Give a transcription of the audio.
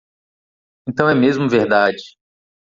Então é mesmo verdade!